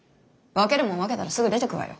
分けるもん分けたらすぐ出て行くわよ！